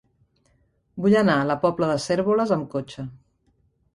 Vull anar a la Pobla de Cérvoles amb cotxe.